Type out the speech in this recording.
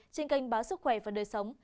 trên kênh báo sức khỏe và đời sống